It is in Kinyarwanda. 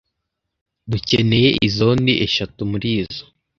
Dukeneye izondi eshatu murizo.